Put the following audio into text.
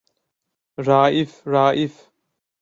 Raif, Raif.